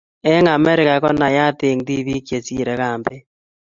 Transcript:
Eng Amerika konayat eng tibiik chesire kambet.